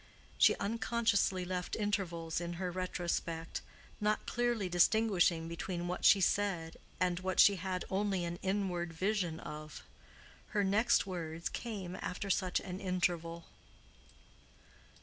She unconsciously left intervals in her retrospect, not clearly distinguishing between what she said and what she had only an inward vision of. Her next words came after such an interval.